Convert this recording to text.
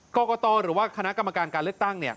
กรกตหรือว่าคณะกรรมการการเลือกตั้ง